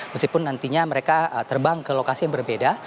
meskipun nantinya mereka terbang ke lokasi yang berbeda